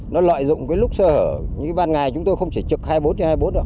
nó loại dụng lúc sơ hở những ban ngày chúng tôi không chỉ trực hai mươi bốn h hai mươi bốn h